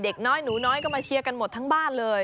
เด็กน้อยหนูน้อยก็มาเชียร์กันหมดทั้งบ้านเลย